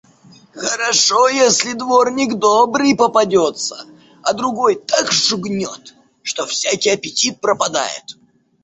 Хорошо, если дворник добрый попадётся, а другой так шугнёт, что всякий аппетит пропадает.